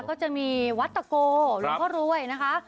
ก็จะมีวัดตะโกหลวงพ่อรวยนะคะ